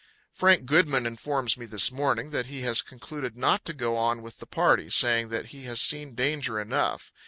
Frank Goodman informs me this morning that he has concluded not to go on with the party, saying that he has seen danger enough.